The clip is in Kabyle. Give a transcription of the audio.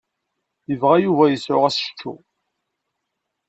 Yebɣa Yuba ad yesɛu asečču.